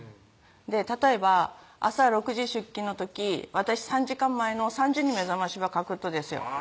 例えば朝６時出勤の時私３時間前の３時に目覚ましばかけるとですよ